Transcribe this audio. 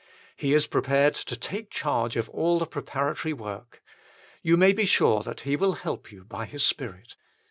He is prepared to take charge of all the preparatory work. You may be sure that He will help you by His Spirit.